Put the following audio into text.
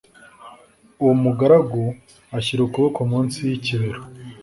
uwo mugaragu ashyira ukuboko munsi y ‘ikibero.